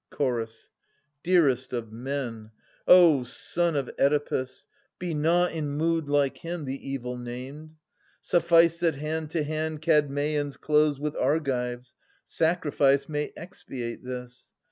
Chorus. Dearest of men — O son of Oedipus, Be not in mood like him, the evil named 1 Suffice that hand to hand Kadmeians close With Argives : sacrifice may expiate this.